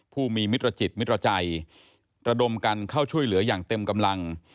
ผู้มีมิตรจิตมิตรใจระดมกันเข้าช่วยเหลืออย่างเต็มกำลัง